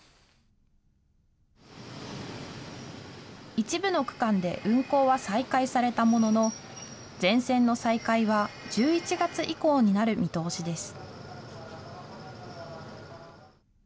一部の区間で運行は再開されたものの、全線の再開は１１月以降になる見通しです。